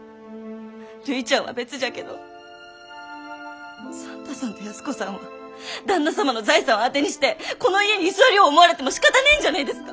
るいちゃんは別じゃけど算太さんと安子さんは旦那様の財産を当てにしてこの家に居座りょうる思われてもしかたねえんじゃねえですか！？